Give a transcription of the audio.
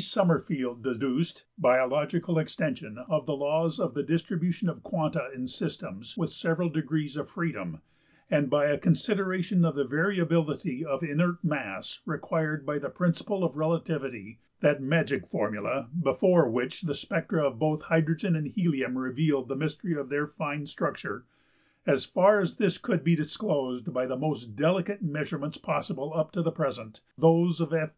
~Sommerfeld deduced, by a logical extension of the laws of the distribution of quanta in systems with several degrees of freedom, and by a consideration of the variability of inert mass required by the principle of relativity, that magic formula before which the spectra of both hydrogen and helium revealed the mystery of their `fine structure'(36), as far as this could be disclosed by the most delicate measurements possible up to the present, those of F.